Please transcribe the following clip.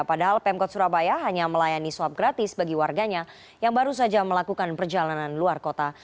padahal pemkot surabaya hanya melayani swab gratis bagi warganya yang baru saja melakukan perjalanan luar kota